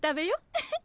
ウフッ。